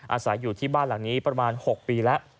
อาศัยอยู่ที่บ้านหลังนี้ประมาณ๖ปีแล้ว